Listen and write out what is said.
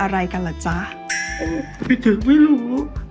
พี่ถึกจ้าชายหญิงอยู่ในห้องด้วยกันซะ